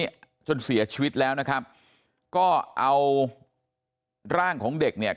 จนเสียชีวิตแล้วนะครับก็เอาร่างของเด็กเนี่ย